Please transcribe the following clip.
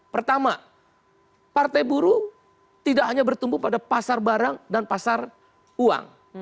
pertama partai buruh tidak hanya bertumbuh pada pasar barang dan pasar uang